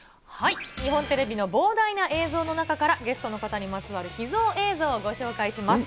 日本テレビの膨大な映像の中からゲストの方にまつわる秘蔵映像をご紹介します。